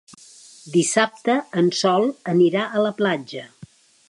Dissabte en Sol anirà a la platja.